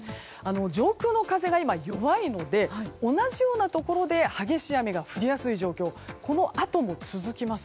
上空の風が今弱いので同じようなところで激しい雨が降りやすい状況がこのあとも続きます。